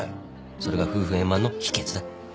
それが夫婦円満の秘訣だ。